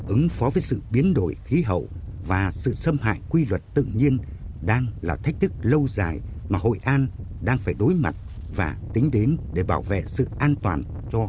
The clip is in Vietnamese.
ứng phó với sự biến đổi khí hậu và sự xâm hại quy luật tự nhiên đang là thách thức lâu dài mà hội an đang phải đối mặt và tính đến để bảo vệ sự an toàn cho